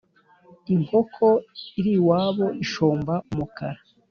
Inkoko iriwabo ishomba umukara.